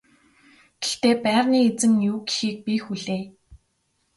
Гэхдээ байрны эзэн юу гэхийг би хүлээе.